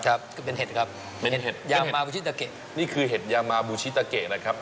ครับก็เป็นเห็ดครับเป็นเห็ดยามาบูชิตาเกะนี่คือเห็ดยามาบูชิตาเกะนะครับ